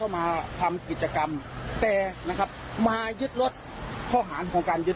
เราจะมาดูซิมีความรู้สึกเหตุของต้นที